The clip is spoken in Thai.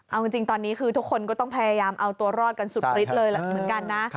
เอาจริงตอนนี้คือทุกคนก็ต้องพยายามเอาตัวรอดกันสุดฤทธิ์เลยเหมือนกันนะ